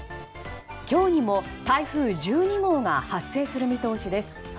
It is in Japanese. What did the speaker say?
今日にも台風１２号が発生する見通しです。